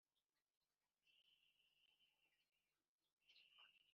Guha agaciro umwenegihugu basangiye igihugu guha